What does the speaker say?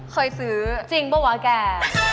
เคยซื้อจริงเปล่าวะแก